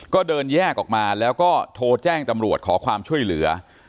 ก็เดินแยกออกมาแล้วก็โทรแจ้งตำรวจขอความช่วยเหลือ